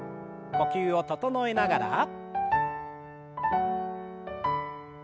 呼吸を整えながら。